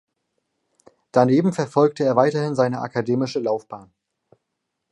Daneben verfolgte er weiterhin seine akademische Laufbahn.